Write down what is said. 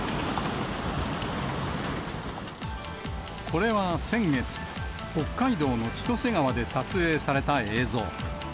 これは先月、北海道の千歳川で撮影された映像。